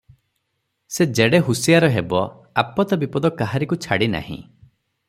ଯେ ଯେଡ଼େ ହୁସିଆର ହେବ, ଆପଦ ବିପଦ କାହାରିକୁ ଛାଡ଼ିନାହିଁ ।